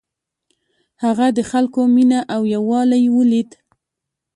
هغه د خلکو مینه او یووالی ولید.